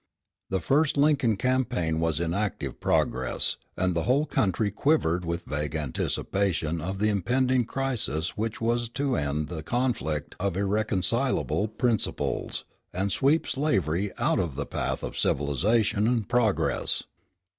The first Lincoln campaign was in active progress; and the whole country quivered with vague anticipation of the impending crisis which was to end the conflict of irreconcilable principles, and sweep slavery out of the path of civilization and progress.